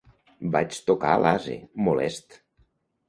Vaig tocar l'ase, molest.